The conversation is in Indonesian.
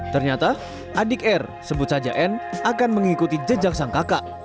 ternyata adik r sebut saja n akan mengikuti jejak sang kakak